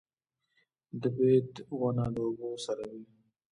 د بید ونه د اوبو سره وي